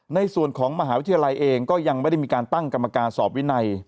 ในส่วนของมหาวิทยาลัยเองก็ยังไม่ได้มีการตั้งกรรมการสอบวินัย